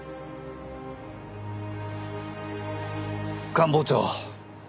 官房長。